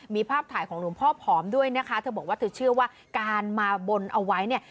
มีภาพถ่ายของหลวงพ่อผอมด้วยนะคะเธอบอกว่าเธอเชื่อว่าการมาบนเอาไว้เนี่ย